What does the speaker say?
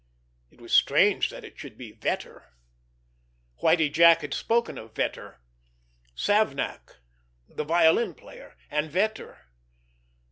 It was strange that it should be Vetter ... Whitie Jack had spoken of Vetter ... Savnak, the violin player, and Vetter